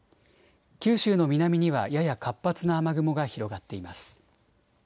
九州の南にはやや活発な雨雲が広がっています。